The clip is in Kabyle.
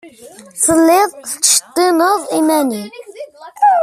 Telliḍ tettceṭṭineḍ iman-nnem.